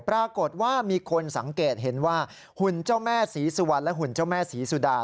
ปรากฏว่ามีคนสังเกตเห็นว่าหุ่นเจ้าแม่ศรีสุวรรณและหุ่นเจ้าแม่ศรีสุดา